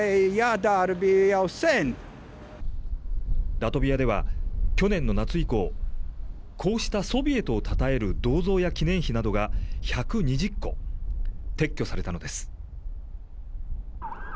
ラトビアでは、去年の夏以降、こうしたソビエトをたたえる銅像や記念碑などが１２０個、撤去されたのです。